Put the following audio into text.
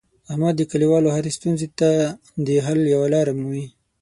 احمد د کلیوالو هرې ستونزې ته د حل یوه لاره مومي.